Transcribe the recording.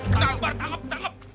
kenal bar tangkep